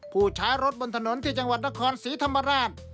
ผู้ใช้รถบนถนนที่จังหวัดนครศรีธรรมราช